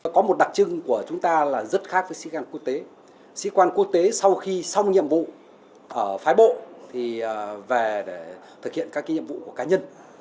có một đặc trưng của chúng ta là rất khác với sĩ quan quốc tế sĩ quan quốc tế sau khi xong nhiệm vụ ở phái bộ thì về để thực hiện các nhiệm vụ của cá nhân